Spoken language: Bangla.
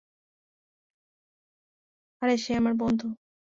আরে সে আমার বন্ধু।